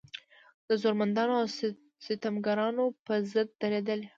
د زورمندانو او ستمګرانو په ضد درېدلې.